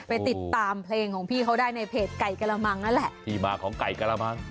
ไปติดตามเพลงของพี่เขาได้ในเพจไก่กระมังนั่นแหละที่มาของไก่กระมัง